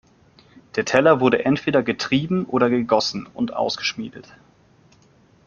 Der Teller wurde entweder getrieben oder gegossen und ausgeschmiedet.